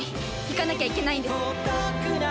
行かなきゃいけないんです。